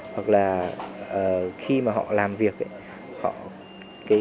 hoặc là khi mà họ làm việc